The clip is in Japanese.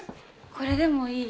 これでもいい？